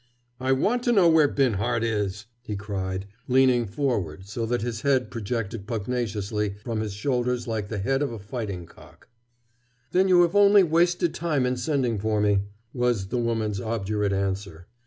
"I want to know where Binhart is!" he cried, leaning forward so that his head projected pugnaciously from his shoulders like the head of a fighting cock. "Then you have only wasted time in sending for me," was the woman's obdurate answer.